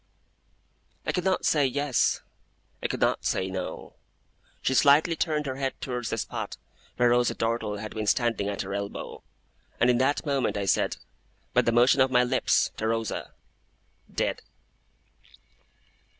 I could not say Yes, I could not say No. She slightly turned her head towards the spot where Rosa Dartle had been standing at her elbow, and in that moment I said, by the motion of my lips, to Rosa, 'Dead!